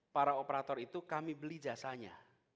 para operator itu kami beli jasanya